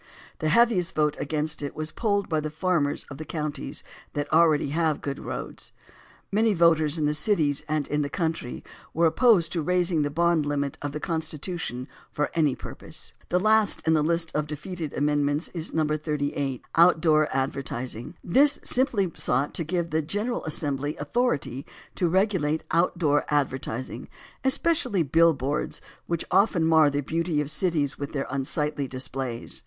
The heaviest vote against it was polled by the farmers of the counties that already have good roads. Many voters in the cities and in the country were opposed to raising the bond limit of the Constitution for any purpose. The last in the list of defeated amendments is No. 38, "Outdoor Advertising." This simply sought to give the General Assembly authority to regulate outdoor advertising, especially billboards, which often mar the beauty of cities by their unsightly displays.